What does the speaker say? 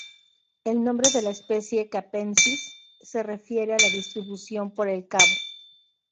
El nombre de la especie capensis se refiere a la distribución por el Cabo.